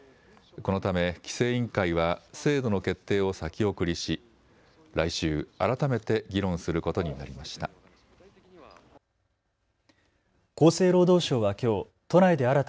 このため規制委員会は制度の決定を先送りし来週、改めて議論することになりました。